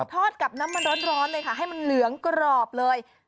กับน้ำมันร้อนเลยค่ะให้มันเหลืองกรอบเลย